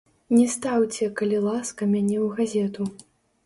Не стаўце, калі ласка, мяне ў газету.